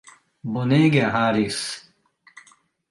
Bonega Harris!